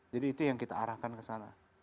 jadi itu yang kita arahkan ke sana